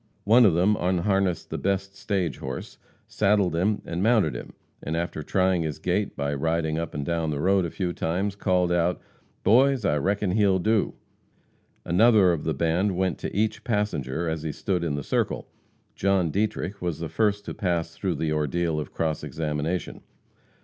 One of them unharnessed the best stage horse, saddled him and mounted him, and after trying his gait by riding up and down the road a few times, called out: "Boys, I reckon he'll do!" Another one of the band went to each passenger as he stood in the circle. John Dietrich was the first to pass through the ordeal of cross examination.